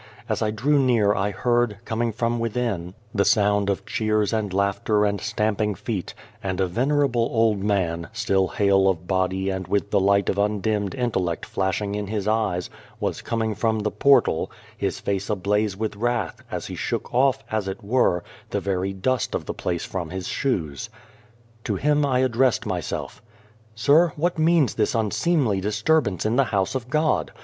As I drew near I heard, coming from within, the sound of cheers and laughter and stamping feet ; and a venerable old man, still hale of body and with the light of undimmed intellect flashing in his eyes, was coming from the portal, his face ablaze with wrath, as he shook off, as it were, the very dust of the place from his shoes. To him I addressed myself :" Sir, what means this unseemly disturbance in the House of God?